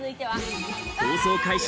放送開始